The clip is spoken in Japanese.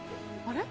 あれ？